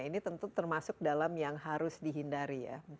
ini tentu termasuk dalam yang harus dihindari ya